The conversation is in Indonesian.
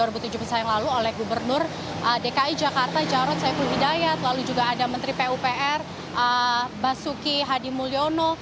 misalnya yang lalu oleh gubernur dki jakarta jarod saipul hidayat lalu juga ada menteri pupr basuki hadimulyono